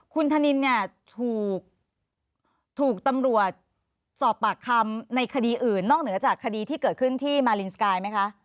คุณธนินเนี่ยถูกตำรวจสอบปากคำในคดีอื่นนอกเหนือจากคดีที่เกิดขึ้นที่มารินสกายไหมคะ